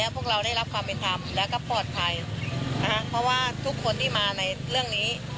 เพราะว่าทุกคนที่มาในเรื่องนี้